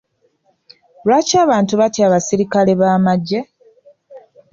Lwaki abantu batya abasirikale b'amagye?